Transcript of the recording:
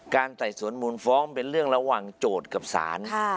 ไต่สวนมูลฟ้องเป็นเรื่องระหว่างโจทย์กับศาล